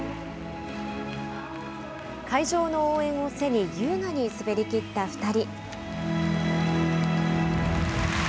会場の応援を背に優雅に滑りきった２人。